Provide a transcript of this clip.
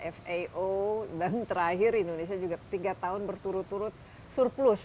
fao dan terakhir indonesia juga tiga tahun berturut turut surplus